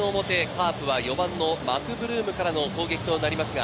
カープは４番のマクブルームからの攻撃となります。